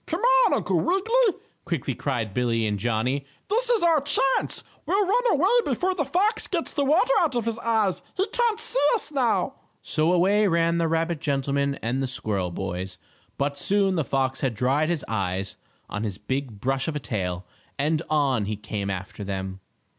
"Come on, Uncle Wiggily!" quickly cried Billie and Johnnie. "This is our chance. We'll run away before the fox gets the water out of his eyes. He can't see us now." So away ran the rabbit gentleman and the squirrel boys, but soon the fox had dried his eyes on his big brush of a tail, and on he came after them.